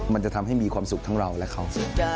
มันจะทำให้มีความสุขทั้งเราและเขา